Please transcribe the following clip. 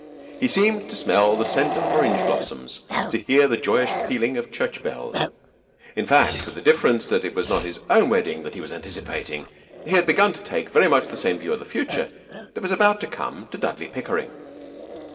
He seemed to smell the scent of orange blossoms, to hear the joyous pealing of church bells in fact, with the difference that it was not his own wedding that he was anticipating, he had begun to take very much the same view of the future that was about to come to Dudley Pickering.